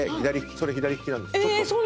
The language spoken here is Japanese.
それ左利きなんです。